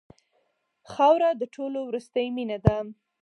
خاوره د ټولو وروستۍ مینه ده.